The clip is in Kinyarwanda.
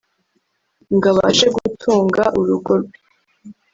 ngo abashe gutunga urugo rwe